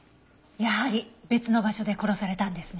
やはり別の場所で殺されたんですね。